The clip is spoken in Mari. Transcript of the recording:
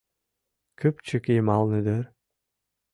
Кӱпчык йымалне дыр.